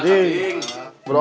jadi berdoa dulu berdoa